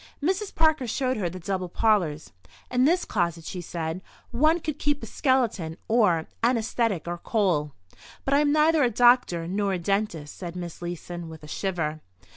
Mrs. Parker showed her the double parlours. "In this closet," she said, "one could keep a skeleton or anaesthetic or coal—" "But I am neither a doctor nor a dentist," said Miss Leeson, with a shiver.